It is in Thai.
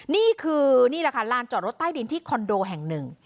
นี่คือนี่แหละค่ะลานจอดรถใต้ดินที่คอนโดแห่งหนึ่ง